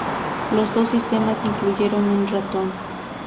Los dos sistemas incluyeron un ratón.